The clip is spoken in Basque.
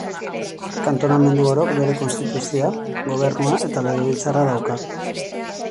Kantonamendu orok bere konstituzioa, gobernua eta legebiltzarra dauzka.